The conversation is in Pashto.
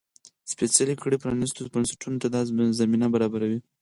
سپېڅلې کړۍ پرانيستو بنسټونو ته دا زمینه برابروي.